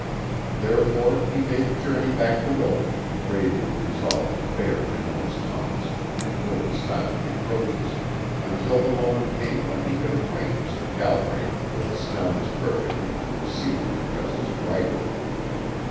Therefore he made the journey back to Wilton, bravely resolved to bear Janoah's taunts and Willie's silent reproaches until the moment came when he could acquaint Mr. Galbraith with Snelling's perfidy and see the injustice righted.